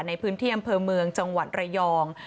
ในพื้นที่อำเภอเมืองจังหวัดระยอง